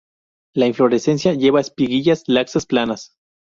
La inflorescencia lleva espiguillas laxas planas.